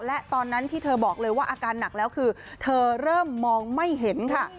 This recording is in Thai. และตอนนั้นที่เธอบอกเลยว่าอาการหนักแล้วคือเธอเริ่มมองไม่เห็นค่ะ